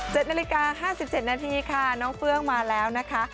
เจ็ดนาฬิกา๕๗นาทีค่ะน้องเฟื้องมาแล้วนะคะ